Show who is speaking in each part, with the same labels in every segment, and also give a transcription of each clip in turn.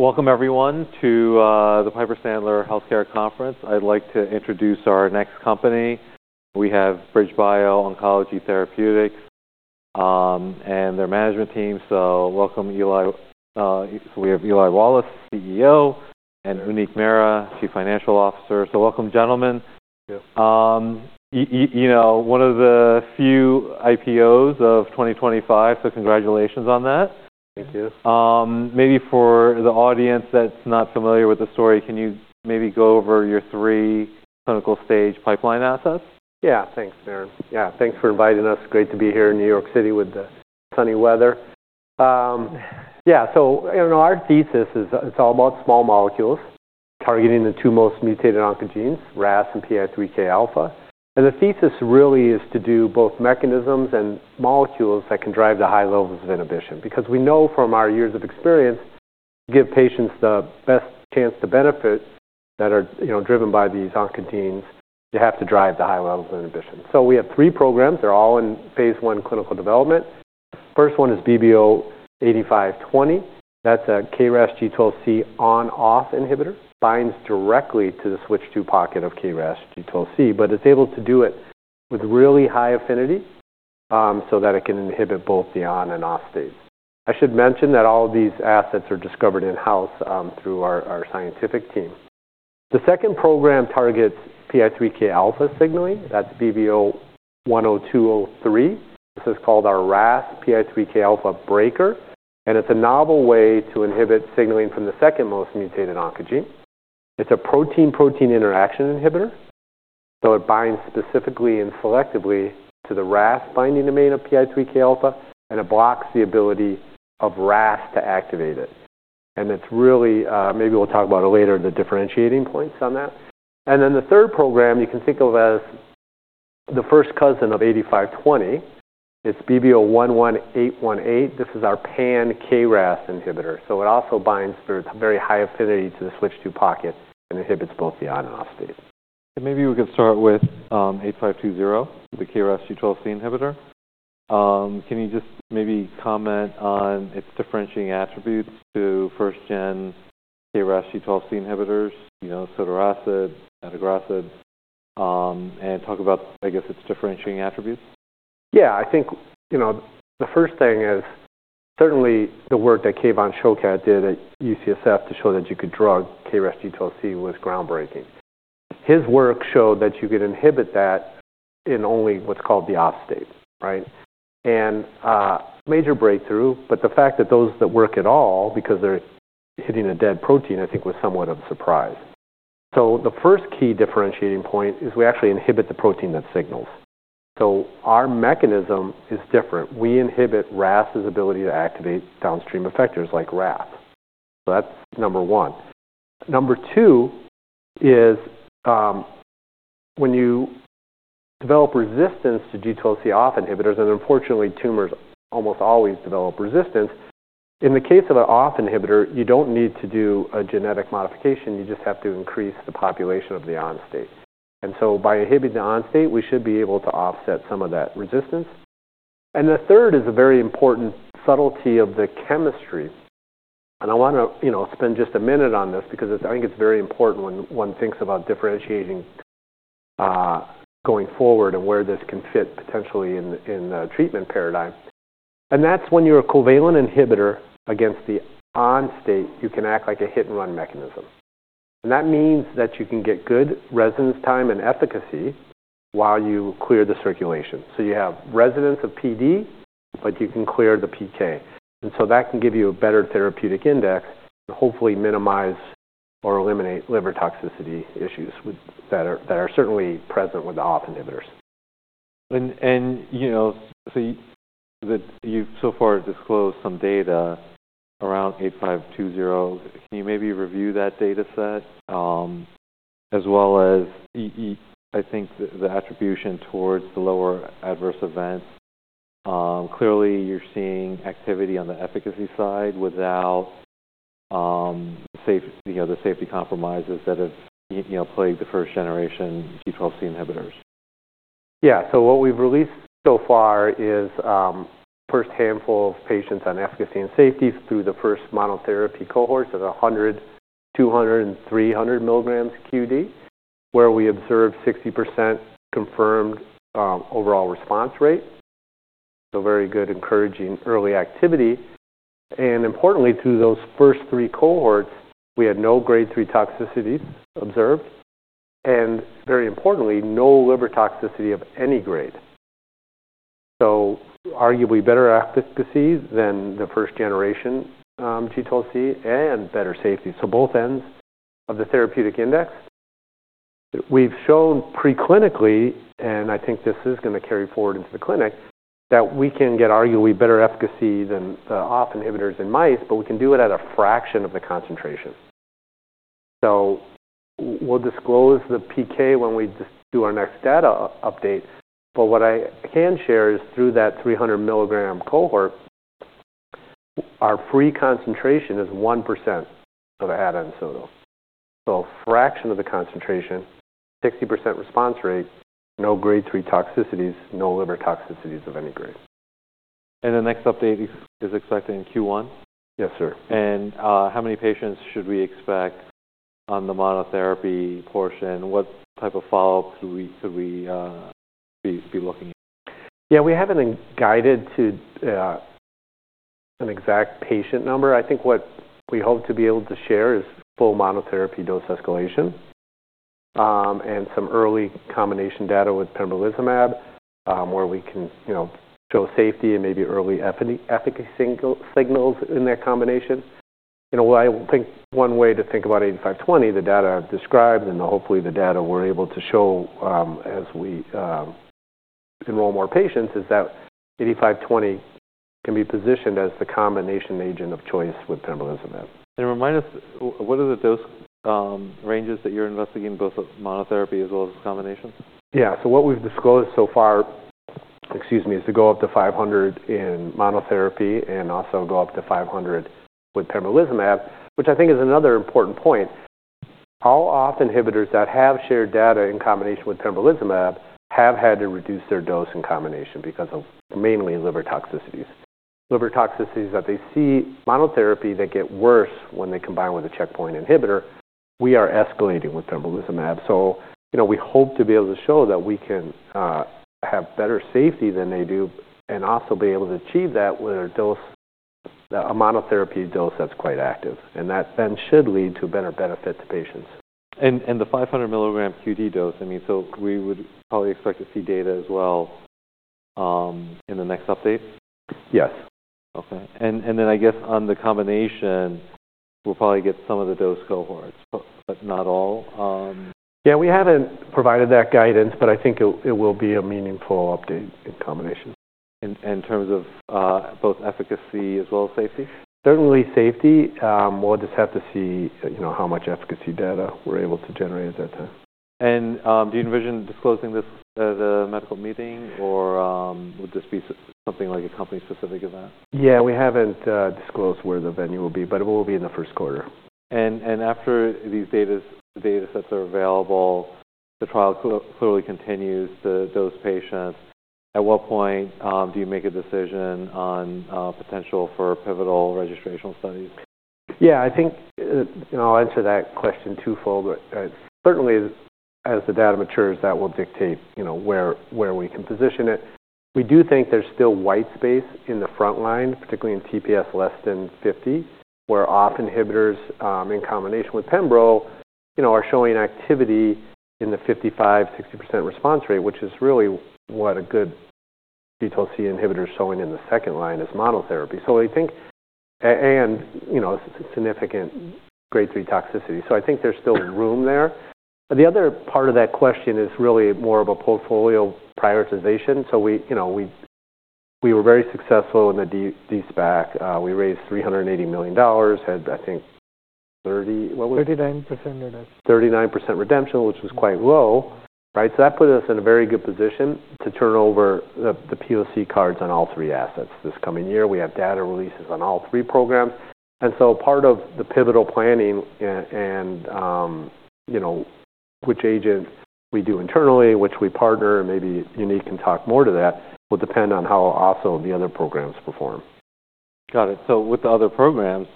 Speaker 1: Welcome everyone to the Piper Sandler Healthcare Conference. I'd like to introduce our next company. We have BridgeBio Oncology Therapeutics, and their management team. So welcome, Eli. So we have Eli Wallace, CEO, and Uneek Mehra, Chief Financial Officer. So welcome, gentlemen.
Speaker 2: Thank you.
Speaker 1: You know, one of the few IPOs of 2025, so congratulations on that.
Speaker 2: Thank you.
Speaker 1: Maybe for the audience that's not familiar with the story, can you maybe go over your three clinical-stage pipeline assets?
Speaker 2: Yeah. Thanks, Darren. Yeah. Thanks for inviting us. Great to be here in New York City with the sunny weather, so you know, our thesis is, it's all about small molecules targeting the two most mutated oncogenes, RAS and PI3K-alpha, and the thesis really is to do both mechanisms and molecules that can drive the high levels of inhibition. Because we know from our years of experience, to give patients the best chance to benefit, that are, you know, driven by these oncogenes, you have to drive the high levels of inhibition, so we have three programs. They're all in phase I clinical development. First one is BBO-8520. That's a KRAS G12C on/off inhibitor. Binds directly to the switch-two pocket of KRAS G12C, but it's able to do it with really high affinity, so that it can inhibit both the on and off stage. I should mention that all of these assets are discovered in-house, through our scientific team. The second program targets PI3K-alpha signaling. That's BBO-10203. This is called our RAS-PI3K-alpha breaker, and it's a novel way to inhibit signaling from the second most mutated oncogene. It's a protein-protein interaction inhibitor, so it binds specifically and selectively to the RAS binding domain of PI3K-alpha, and it blocks the ability of RAS to activate it. It's really, maybe we'll talk about it later, the differentiating points on that. Then the third program you can think of as the first cousin of BBO-8520. It's BBO-11818. This is our pan-KRAS inhibitor. So it also binds with a very high affinity to the switch-two pocket and inhibits both the on and off states.
Speaker 1: Maybe we could start with BBO-8520, the KRAS G12C inhibitor. Can you just maybe comment on its differentiating attributes to first-gen KRAS G12C inhibitors, you know, sotorasib, adagrasib, and talk about, I guess, its differentiating attributes?
Speaker 2: Yeah. I think, you know, the first thing is certainly the work that Kevan Shokat did at UCSF to show that you could drug KRAS G12C was groundbreaking. His work showed that you could inhibit that in only what's called the off state, right? And major breakthrough, but the fact that those that work at all, because they're hitting a dead protein, I think was somewhat of a surprise. So the first key differentiating point is we actually inhibit the protein that signals. So our mechanism is different. We inhibit RAS's ability to activate downstream effectors like RAS. So that's number one. Number two is, when you develop resistance to G12C off inhibitors, and unfortunately tumors almost always develop resistance, in the case of an off inhibitor, you don't need to do a genetic modification. You just have to increase the population of the on state. By inhibiting the on state, we should be able to offset some of that resistance. The third is a very important subtlety of the chemistry. I wanna, you know, spend just a minute on this because it's, I think it's very important when one thinks about differentiating, going forward and where this can fit potentially in the treatment paradigm. That's when you're a covalent inhibitor against the on state, you can act like a hit-and-run mechanism. That means that you can get good residence time and efficacy while you clear the circulation. You have residence of PD, but you can clear the PK. That can give you a better therapeutic index and hopefully minimize or eliminate liver toxicity issues that are certainly present with the off inhibitors.
Speaker 1: You know, so you've so far disclosed some data around BBO-8520. Can you maybe review that data set, as well as I think the attribution towards the lower adverse event? Clearly you're seeing activity on the efficacy side without, say, you know, the safety compromises that have, you know, plagued the first-generation G12C inhibitors.
Speaker 2: Yeah. What we've released so far is the first handful of patients on efficacy and safety through the first monotherapy cohorts at 100, 200, and 300 milligrams QD, where we observed 60% confirmed overall response rate, so very good, encouraging early activity. Importantly, through those first three cohorts, we had no grade three toxicities observed, and very importantly, no liver toxicity of any grade. Arguably better efficacy than the first-generation G12C and better safety, so both ends of the therapeutic index. We've shown preclinically, and I think this is gonna carry forward into the clinic, that we can get arguably better efficacy than off inhibitors in mice, but we can do it at a fraction of the concentration. We'll disclose the PK when we just do our next data update. But what I can share is through that 300 mg cohort, our free concentration is 1% of the added in situ. So a fraction of the concentration, 60% response rate, no grade three toxicities, no liver toxicities of any grade.
Speaker 1: The next update is expected in Q1?
Speaker 2: Yes, sir.
Speaker 1: How many patients should we expect on the monotherapy portion? What type of follow-up could we be looking at?
Speaker 2: Yeah. We haven't been guided to an exact patient number. I think what we hope to be able to share is full monotherapy dose escalation, and some early combination data with pembrolizumab, where we can, you know, show safety and maybe early efficacy signals in that combination. You know, I think one way to think about BBO-8520, the data I've described, and hopefully the data we're able to show, as we enroll more patients is that BBO-8520 can be positioned as the combination agent of choice with pembrolizumab.
Speaker 1: Remind us, what are the dose ranges that you're investigating both monotherapy as well as combination?
Speaker 2: Yeah. So what we've disclosed so far, excuse me, is to go up to 500 in monotherapy and also go up to 500 with pembrolizumab, which I think is another important point. Our OFF inhibitors that have shared data in combination with pembrolizumab have had to reduce their dose in combination because of mainly liver toxicities. Liver toxicities that they see monotherapy that get worse when they combine with a checkpoint inhibitor, we are escalating with pembrolizumab. So, you know, we hope to be able to show that we can, have better safety than they do and also be able to achieve that with a dose, a monotherapy dose that's quite active. And that then should lead to better benefit to patients.
Speaker 1: the 500 milligram QD dose, I mean, so we would probably expect to see data as well, in the next update?
Speaker 2: Yes.
Speaker 1: Okay. And then I guess on the combination, we'll probably get some of the dose cohorts, but not all.
Speaker 2: Yeah. We haven't provided that guidance, but I think it will be a meaningful update in combination.
Speaker 1: In terms of both efficacy as well as safety?
Speaker 2: Certainly safety. We'll just have to see, you know, how much efficacy data we're able to generate at that time.
Speaker 1: Do you envision disclosing this at a medical meeting or would this be something like a company-specific event?
Speaker 2: Yeah. We haven't disclosed where the venue will be, but it will be in the first quarter.
Speaker 1: After these data sets are available, the trial clearly continues to those patients. At what point do you make a decision on potential for pivotal registrational studies?
Speaker 2: Yeah. I think, you know, I'll answer that question twofold. Certainly as the data matures, that will dictate, you know, where we can position it. We do think there's still white space in the front line, particularly in TPS less than 50, where OFF inhibitors, in combination with pembro, you know, are showing activity in the 55%-60% response rate, which is really what a good G12C inhibitor is showing in the second line as monotherapy. So I think, and, you know, significant grade three toxicity. So I think there's still room there. The other part of that question is really more of a portfolio prioritization. So we, you know, were very successful in the de-SPAC. We raised $380 million, had, I think, 30, what was it?
Speaker 3: 39% redemption.
Speaker 2: 39% redemption, which was quite low, right? So that put us in a very good position to turn over the POC cards on all three assets this coming year. We have data releases on all three programs. And so part of the pivotal planning and, you know, which agent we do internally, which we partner, and maybe Uneek can talk more to that, will depend on how also the other programs perform.
Speaker 1: Got it. So with the other programs,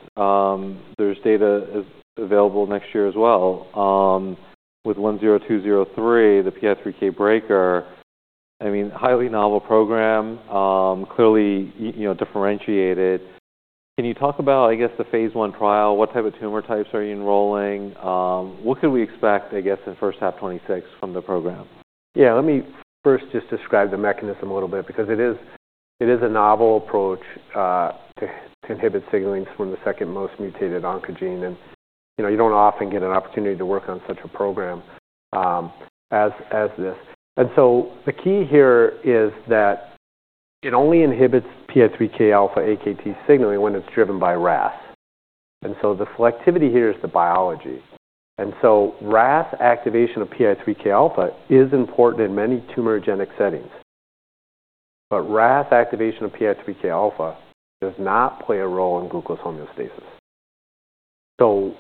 Speaker 1: there's data available next year as well. With BBO-10203, the PI3K breaker, I mean, highly novel program, clearly, you know, differentiated. Can you talk about, I guess, the phase I trial? What type of tumor types are you enrolling? What could we expect, I guess, in first half 2026 from the program?
Speaker 2: Yeah. Let me first just describe the mechanism a little bit because it is a novel approach to inhibit signalings from the second most mutated oncogene. And, you know, you don't often get an opportunity to work on such a program, as this. And so the key here is that it only inhibits PI3K-alpha AKT signaling when it's driven by RAS. And so the selectivity here is the biology. And so RAS activation of PI3K-alpha is important in many tumor genetic settings. But RAS activation of PI3K-alpha does not play a role in glucose homeostasis. So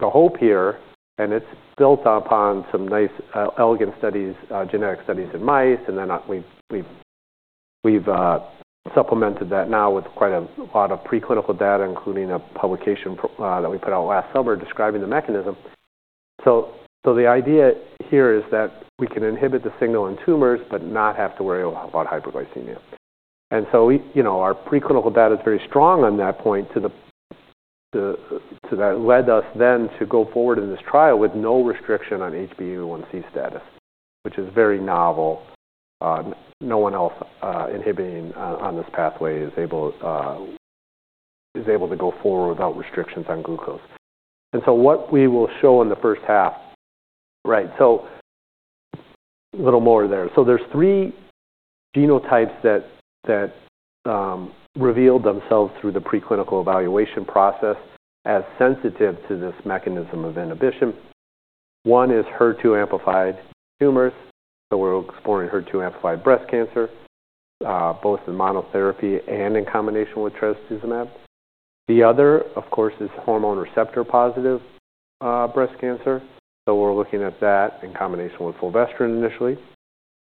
Speaker 2: the hope here, and it's built upon some nice, elegant studies, genetic studies in mice, and then we've supplemented that now with quite a lot of preclinical data, including a publication that we put out last summer describing the mechanism. The idea here is that we can inhibit the signal in tumors but not have to worry about hyperglycemia. And so we, you know, our preclinical data is very strong on that point to that led us then to go forward in this trial with no restriction on HbA1c status, which is very novel. No one else inhibiting on this pathway is able to go forward without restrictions on glucose. And so what we will show in the first half, right? A little more there. There's three genotypes that revealed themselves through the preclinical evaluation process as sensitive to this mechanism of inhibition. One is HER2-amplified tumors. We're exploring HER2-amplified breast cancer, both in monotherapy and in combination with trastuzumab. The other, of course, is hormone receptor positive breast cancer. We're looking at that in combination with fulvestrant initially.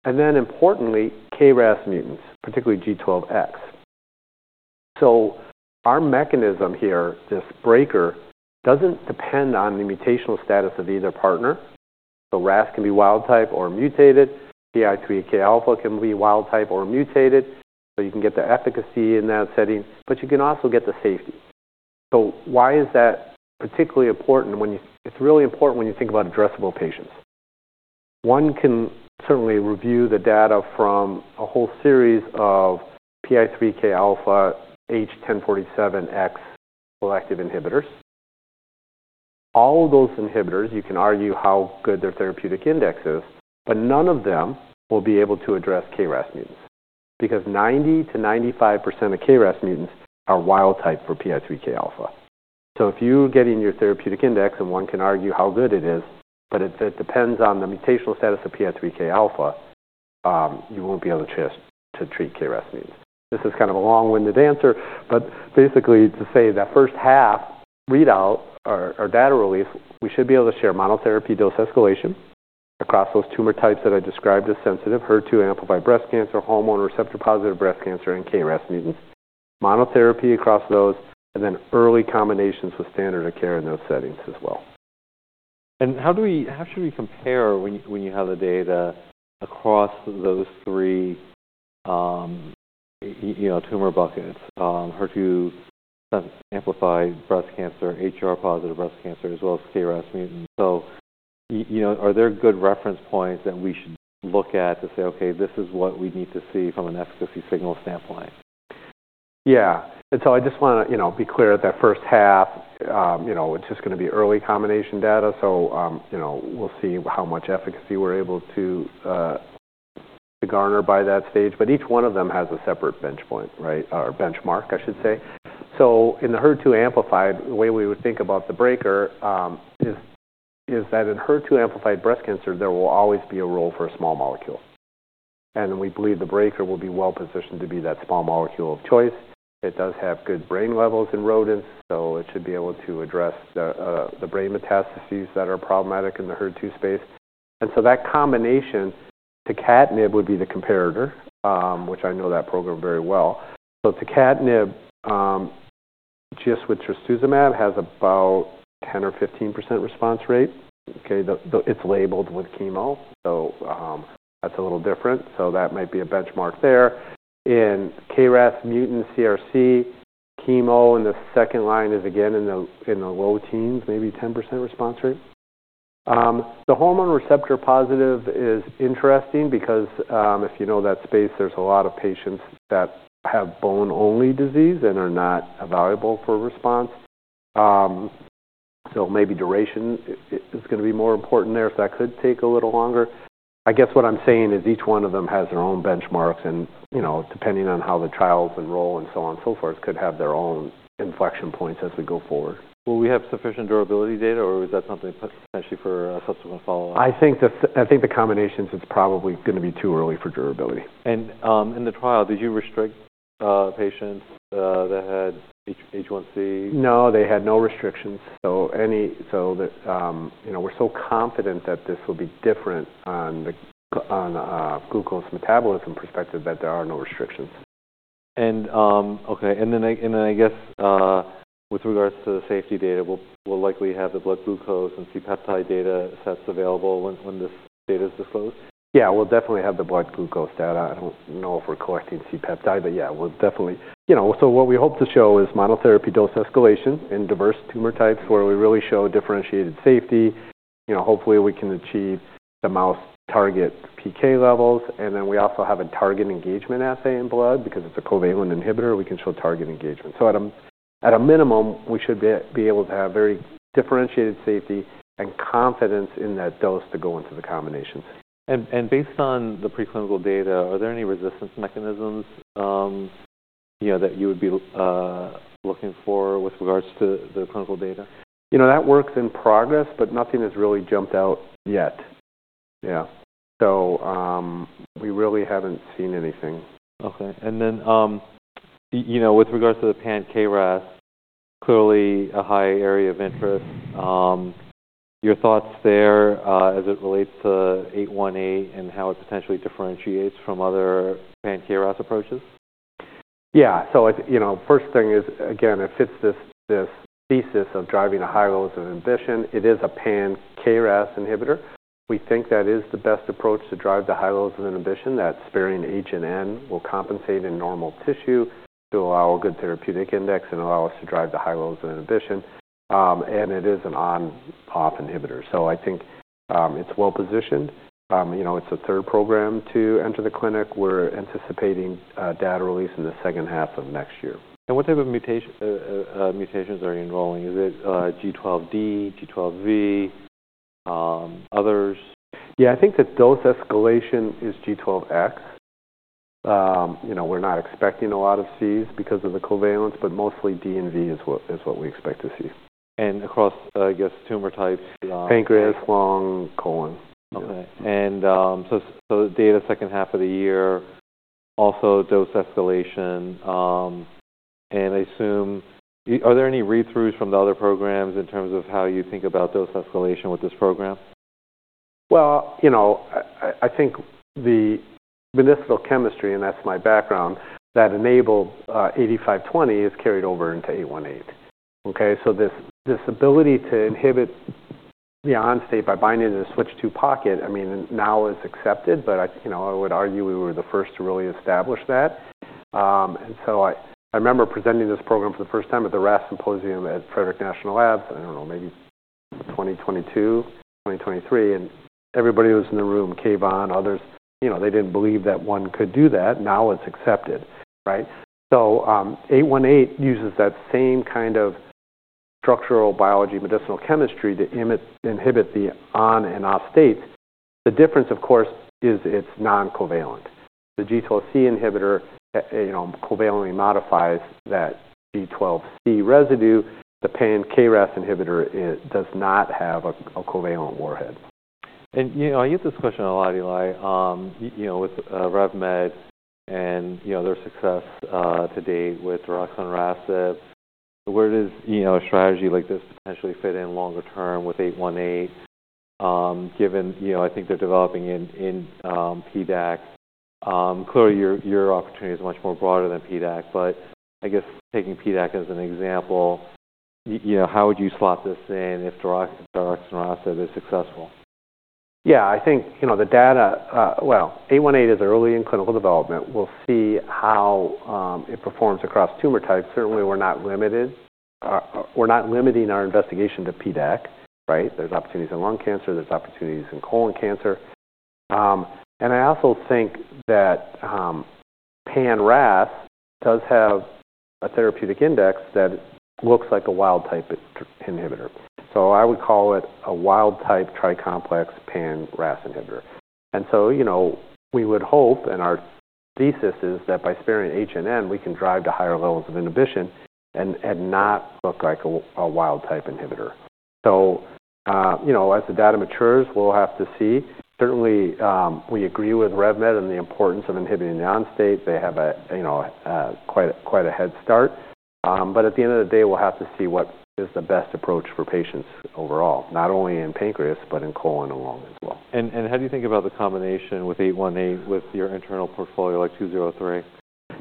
Speaker 2: And then importantly, KRAS mutants, particularly G12X. Our mechanism here, this breaker, doesn't depend on the mutational status of either partner. So RAS can be wild type or mutated. PI3K-alpha can be wild type or mutated. So you can get the efficacy in that setting, but you can also get the safety. So why is that particularly important? It's really important when you think about addressable patients. One can certainly review the data from a whole series of PI3K-alpha H1047X selective inhibitors. All of those inhibitors, you can argue how good their therapeutic index is, but none of them will be able to address KRAS mutants because 90%-95% of KRAS mutants are wild type for PI3K-alpha. So if you get in your therapeutic index and one can argue how good it is, but it depends on the mutational status of PI3K-alpha, you won't be able to try to treat KRAS mutants. This is kind of a long-winded answer, but basically to say that first half readout or data release, we should be able to share monotherapy dose escalation across those tumor types that I described as sensitive: HER2-amplified breast cancer, hormone receptor positive breast cancer, and KRAS mutants. Monotherapy across those, and then early combinations with standard of care in those settings as well.
Speaker 1: And how do we, how should we compare when you, when you have the data across those three, you know, tumor buckets, HER2-amplified breast cancer, HR-positive breast cancer, as well as KRAS mutants? So, you know, are there good reference points that we should look at to say, "Okay, this is what we need to see from an efficacy signal standpoint"?
Speaker 2: Yeah. And so I just wanna, you know, be clear that first half, you know, it's just gonna be early combination data. So, you know, we'll see how much efficacy we're able to to garner by that stage. But each one of them has a separate bench point, right, or benchmark, I should say. So in the HER2-amplified, the way we would think about the breaker is that in HER2-amplified breast cancer, there will always be a role for a small molecule. And we believe the breaker will be well-positioned to be that small molecule of choice. It does have good brain levels in rodents, so it should be able to address the brain metastases that are problematic in the HER2 space. And so that combination, tucatinib would be the comparator, which I know that program very well. So tucatinib, just with trastuzumab has about a 10% or 15% response rate. Okay? The it's labeled with chemo, so that's a little different. So that might be a benchmark there. In KRAS mutant CRC, chemo in the second line is again in the low teens, maybe 10% response rate. The hormone receptor positive is interesting because, if you know that space, there's a lot of patients that have bone-only disease and are not available for response. So maybe duration is gonna be more important there, so that could take a little longer. I guess what I'm saying is each one of them has their own benchmarks, and, you know, depending on how the trials enroll and so on and so forth, could have their own inflection points as we go forward.
Speaker 1: Will we have sufficient durability data, or is that something potentially for a subsequent follow-up?
Speaker 2: I think the combinations, it's probably gonna be too early for durability.
Speaker 1: In the trial, did you restrict patients that had HISTH1C?
Speaker 2: No, they had no restrictions. So, you know, we're so confident that this will be different on the glucose metabolism perspective that there are no restrictions.
Speaker 1: Okay. Then I guess, with regards to the safety data, we'll likely have the blood glucose and C-peptide data sets available when this data's disclosed?
Speaker 2: Yeah. We'll definitely have the blood glucose data. I don't know if we're collecting C-peptide, but yeah, we'll definitely, you know, so what we hope to show is monotherapy dose escalation in diverse tumor types where we really show differentiated safety. You know, hopefully we can achieve the mouse target PK levels. And then we also have a target engagement assay in blood because it's a covalent inhibitor. We can show target engagement. So at a minimum, we should be able to have very differentiated safety and confidence in that dose to go into the combinations.
Speaker 1: Based on the preclinical data, are there any resistance mechanisms, you know, that you would be looking for with regards to the clinical data?
Speaker 2: You know, that work's in progress, but nothing has really jumped out yet. Yeah. So, we really haven't seen anything.
Speaker 1: Okay. And then, you know, with regards to the pan-KRAS, clearly a high area of interest. Your thoughts there, as it relates to BBO-11818 and how it potentially differentiates from other pan-KRAS approaches?
Speaker 2: Yeah. So I, you know, first thing is, again, it fits this thesis of driving a high dose of inhibition. It is a pan-KRAS inhibitor. We think that is the best approach to drive the high dose of inhibition. That sparing HRAS and NRAS will compensate in normal tissue to allow a good therapeutic index and allow us to drive the high dose of inhibition. And it is an ON/OFF inhibitor. So I think, it's well-positioned. You know, it's the third program to enter the clinic. We're anticipating data release in the second half of next year.
Speaker 1: What type of mutations are you enrolling? Is it G12D, G12V, others?
Speaker 2: Yeah. I think the dose escalation is G12X. You know, we're not expecting a lot of Cs because of the covalence, but mostly D and V is what we expect to see.
Speaker 1: And across, I guess, tumor types,
Speaker 2: Pancreas, lung, colon.
Speaker 1: Okay. And, so, so data second half of the year, also dose escalation. I assume, are there any read-throughs from the other programs in terms of how you think about dose escalation with this program?
Speaker 2: You know, I think the medicinal chemistry, and that's my background, that enabled BBO-8520 is carried over into BBO-11818. Okay? So this ability to inhibit the ON state by binding to the switch two pocket, I mean, now is accepted, but you know, I would argue we were the first to really establish that. And so I remember presenting this program for the first time at the RAS symposium at Frederick National Labs, I don't know, maybe 2022, 2023, and everybody who was in the room, K. Von, others, you know, they didn't believe that one could do that. Now it's accepted, right? So, BBO-11818 uses that same kind of structural biology medicinal chemistry to inhibit the ON and OFF states. The difference, of course, is it's non-covalent. The G12C inhibitor, you know, covalently modifies that G12C residue. The pan-KRAS inhibitor, it does not have a covalent warhead.
Speaker 1: You know, I get this question a lot, Eli. You know, with RevMed and their success to date with daraxonrasib, where does a strategy like this potentially fit in longer term with BBO-11818, given you know, I think they're developing in PDAC? Clearly your opportunity is much more broader than PDAC, but I guess taking PDAC as an example, you know, how would you slot this in if the daraxonrasib is successful?
Speaker 2: Yeah. I think, you know, the data, well, BBO-11818 is early in clinical development. We'll see how it performs across tumor types. Certainly, we're not limited, we're not limiting our investigation to PDAC, right? There's opportunities in lung cancer. There's opportunities in colon cancer. And I also think that pan-RAS does have a therapeutic index that looks like a wild type inhibitor. So I would call it a wild type tri-complex pan-RAS inhibitor. And so, you know, we would hope, and our thesis is that by sparing HRAS and NRAS, we can drive to higher levels of inhibition and not look like a wild type inhibitor. So, you know, as the data matures, we'll have to see. Certainly, we agree with RevMed and the importance of inhibiting the ON state. They have a, you know, quite a head start. But at the end of the day, we'll have to see what is the best approach for patients overall, not only in pancreas but in colon and lung as well.
Speaker 1: How do you think about the combination with BBO-11818 with your internal portfolio like BBO-10203?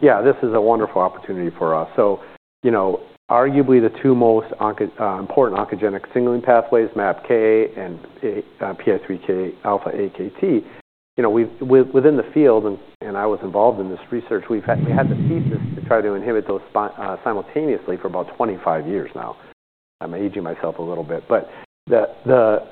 Speaker 2: Yeah. This is a wonderful opportunity for us, so you know, arguably the two most important oncogenic signaling pathways, MAPK and PI3K-alpha-AKT, you know, we've within the field, and I was involved in this research, we've had the thesis to try to inhibit those simultaneously for about 25 years now. I'm aging myself a little bit, but the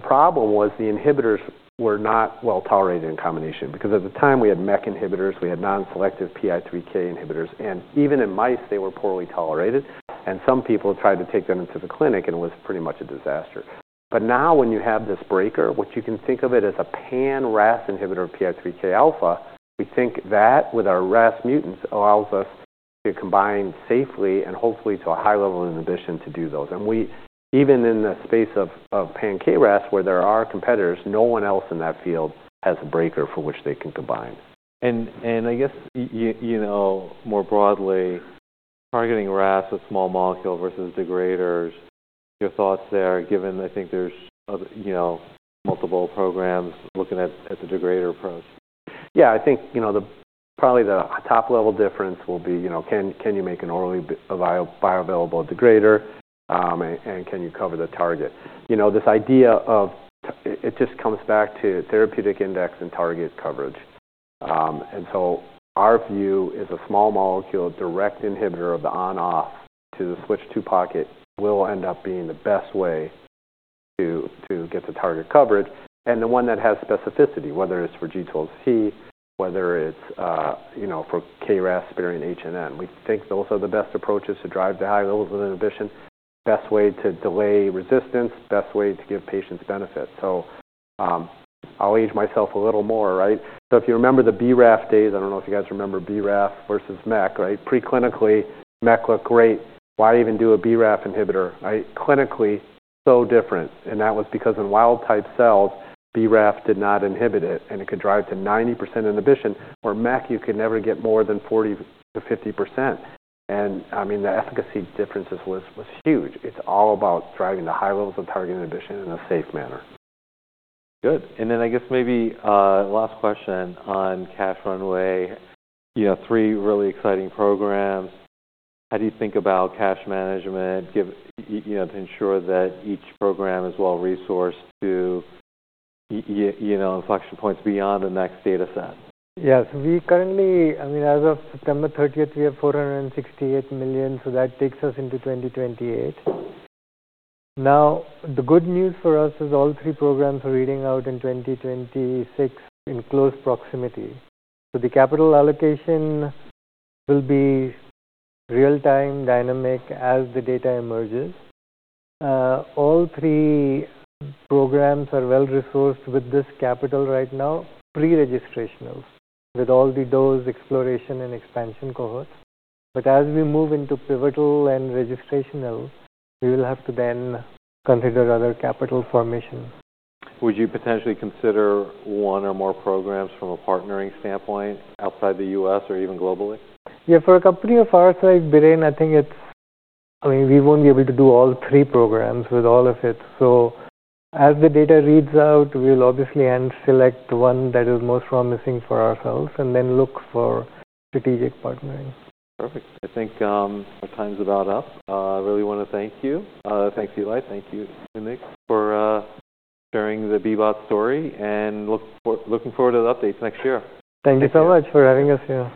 Speaker 2: problem was the inhibitors were not well tolerated in combination because at the time we had MEK inhibitors, we had non-selective PI3K inhibitors, and even in mice, they were poorly tolerated. Some people tried to take them into the clinic, and it was pretty much a disaster. But now when you have this breaker, which you can think of it as a pan-RAS inhibitor of PI3K-alpha, we think that with our RAS mutants allows us to combine safely and hopefully to a high level of inhibition to do those. And we, even in the space of pan-KRAS, where there are competitors, no one else in that field has a breaker for which they can combine.
Speaker 1: I guess you know, more broadly, targeting RAS with small molecule versus degraders, your thoughts there, given I think there's other, you know, multiple programs looking at the degrader approach?
Speaker 2: Yeah. I think, you know, the probably the top-level difference will be, you know, can you make an orally bioavailable degrader, and can you cover the target? You know, this idea of TI, it just comes back to therapeutic index and target coverage. And so our view is a small molecule direct inhibitor of the ON/OFF to the Switch II pocket will end up being the best way to get the target coverage. And the one that has specificity, whether it's for G12C, whether it's, you know, for KRAS sparing HRAS and NRAS, we think those are the best approaches to drive the high levels of inhibition, best way to delay resistance, best way to give patients benefit. So, I'll age myself a little more, right? So if you remember the BRAF days, I don't know if you guys remember BRAF versus MEK, right? Preclinically, MEK looked great. Why even do a BRAF inhibitor, right? Clinically, so different. And that was because in wild type cells, BRAF did not inhibit it, and it could drive to 90% inhibition, where MEK you could never get more than 40%-50%. And, I mean, the efficacy differences was huge. It's all about driving the high levels of target inhibition in a safe manner.
Speaker 1: Good. And then I guess maybe, last question on cash runway. You know, three really exciting programs. How do you think about cash management, give you know, to ensure that each program is well-resourced to you know, inflection points beyond the next data set?
Speaker 3: Yes. We currently, I mean, as of September 30th, we have $468 million, so that takes us into 2028. Now, the good news for us is all three programs are reading out in 2026 in close proximity. So the capital allocation will be real-time, dynamic as the data emerges. All three programs are well-resourced with this capital right now, pre-registrational, with all the dose exploration and expansion cohorts. But as we move into pivotal and registrational, we will have to then consider other capital formation.
Speaker 1: Would you potentially consider one or more programs from a partnering standpoint outside the U.S. or even globally?
Speaker 3: Yeah. For a company of our size, Darren, I think it's, I mean, we won't be able to do all three programs with all of it. So as the data reads out, we'll obviously then select the one that is most promising for ourselves and then look for strategic partnering.
Speaker 1: Perfect. I think our time's about up. I really wanna thank you. Thanks, Eli. Thank you, Eli, for sharing the BBOT story, and looking forward to the updates next year.
Speaker 3: Thank you so much for having us here.